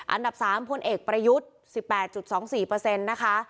อันดับ๓พลเอกประยุทธ์๑๘๒๔เปอร์เซ็นต์นะคะ